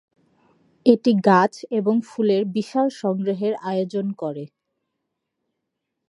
এটি গাছ এবং ফুলের বিশাল সংগ্রহের আয়োজন করে।